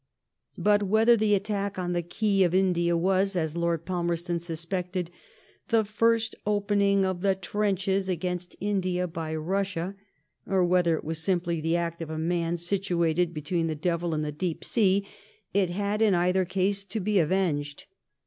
But whether the attack on the key of India was, as Lord Palmerston suspected, '' the first opening of the trenches against India by Bussia," or whether it was simply the act of a man situated between the Devil and the deep sea, it had in either case to be avenged.